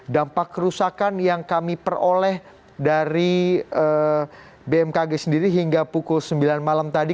dampak kerusakan yang kami peroleh dari bmkg sendiri hingga pukul sembilan malam tadi